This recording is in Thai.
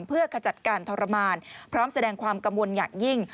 เพื่อขจัดการทรมานพร้อมแสดงความกังวลอย่างยิ่ง